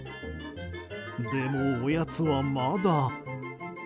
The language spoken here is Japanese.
でも、おやつはまだ。